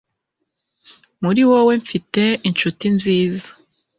Muri wowe mfite inshuti nziza